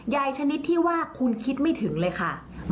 ชนิดที่ว่าคุณคิดไม่ถึงเลยค่ะ